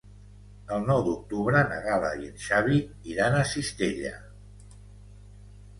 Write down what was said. El nou d'octubre na Gal·la i en Xavi iran a Cistella.